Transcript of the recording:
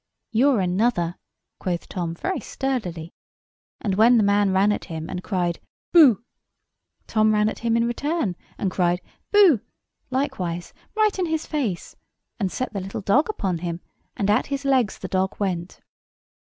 "You're another," quoth Tom, very sturdily. And when the man ran at him, and cried "Boo!" Tom ran at him in return, and cried "Boo!" likewise, right in his face, and set the little dog upon him; and at his legs the dog went.